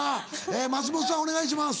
松本さんお願いします。